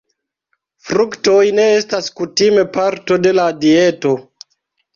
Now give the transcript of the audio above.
Fruktoj ne estas kutime parto de la dieto.